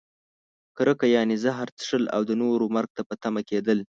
کرکه؛ یعنې زهر څښل او د نورو مرګ ته په تمه کیدل.